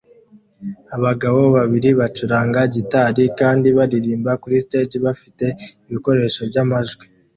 Abagabo babiri bacuranga gitari kandi baririmba kuri stage bafite ibikoresho byamajwi